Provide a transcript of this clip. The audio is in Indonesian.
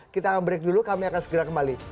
kita akan break dulu kami akan segera kembali